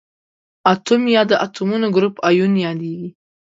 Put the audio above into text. اتوم یا د اتومونو ګروپ ایون یادیږي.